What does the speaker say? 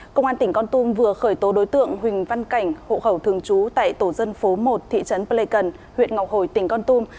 công an tỉnh con tum vừa khởi tố đối tượng huỳnh văn cảnh hộ khẩu thường trú tại tổ dân phố một thị trấn pleikon huyện ngọc hồi tỉnh con tum